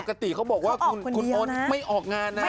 ปกติเขาบอกว่าคุณโอ๊ตไม่ออกงานนะ